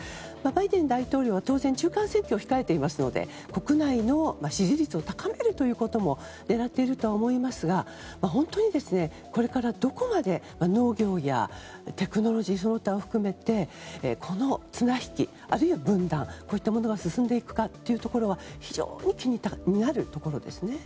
バイデン大統領は当然中間選挙を控えていますので国内の支持率を高めることも狙っているとは思いますが本当に、これからどこまで農業やテクノロジーその他を含めてこの綱引き、あるいは分断こういったものが進んでいくか非常に気になるところですね。